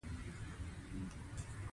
څوک نشته چې په دي ژبه خبرې وکړي؟